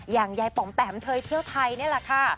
ยายป๋อมแปมเคยเที่ยวไทยนี่แหละค่ะ